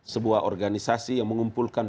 sebuah organisasi yang mengumpulkan